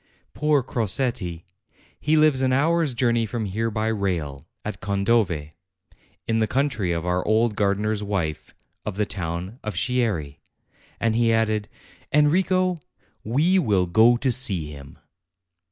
Poor Crosetti ! He lives an hour's journey from here by rail, at Condove, in the country of our old gardener's wife, of the town of Chieri." And he added, "Enrico, we will go to see him."